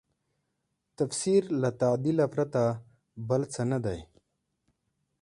تفسیر له تعدیله پرته بل څه نه دی.